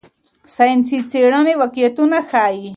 ساینسي څېړنې واقعیتونه ښيي.